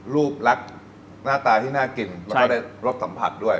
รูปลักษณ์หน้าตาที่น่ากินแล้วก็ได้รสสัมผัสด้วย